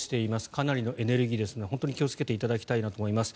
かなりのエネルギーですので気をつけていただきたいと思います。